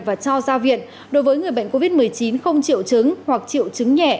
và cho ra viện đối với người bệnh covid một mươi chín không triệu chứng hoặc triệu chứng nhẹ